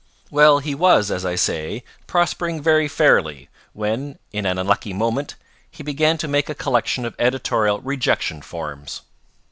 "Well, he was, as I say, prospering very fairly, when in an unlucky moment he began to make a collection of editorial rejection forms.